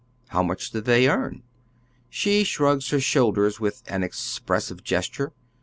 How much do they earn ? She shrugs her slionlders with an expressive gesture.